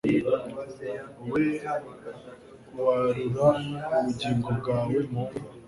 we warura ubugingo bwawe mu mva